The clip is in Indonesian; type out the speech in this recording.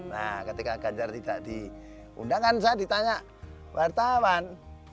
nah ketika ganjar tidak diundang kan saya ditanya wartawan